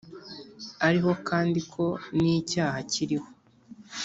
ariho kandi ko nicyaha kiriho